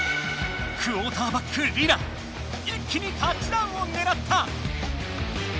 クオーターバックリラ一気にタッチダウンをねらった！